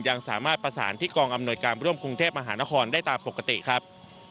ยังสามารถประสานที่กองอำนวยการร่วมกรุงเทพมหานครได้ตามปกติครับ